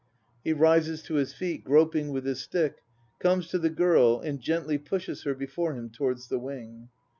(He rises to his feet groping with his stick, comes to the GIRL, and gently pushes her before him towards the wing.)